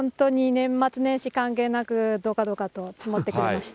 年末年始関係なく、どかどかと積もってくれました。